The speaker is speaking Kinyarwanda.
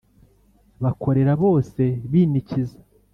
bakorera bose binikiza